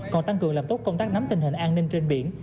còn tăng cường làm tốt công tác nắm tình hình an ninh trên biển